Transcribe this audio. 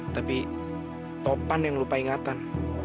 tapi topan yang lupa ingatan